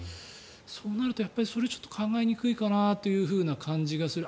そうなるとそれは考えにくいかなという感じがする。